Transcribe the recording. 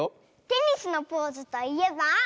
テニスのポーズといえば？